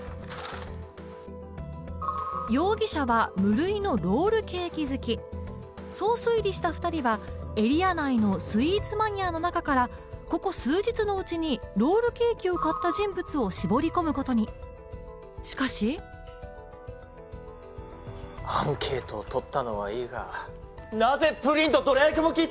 容疑者は無類のロールケーキ好きそう推理した２人はエリア内のスイーツマニアの中からここ数日のうちにロールケーキを買った人物を絞り込むことにしかしアンケートをとったのはいいがなぜプリンとどら焼きも聞いた？